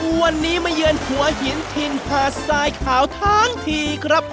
วันนี้มาเยือนหัวหินถิ่นหาดทรายขาวทั้งทีครับ